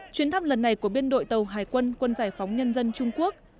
chuyến thăm lần này của biên đội tàu hải quân quân giải phóng nhân dân trung quốc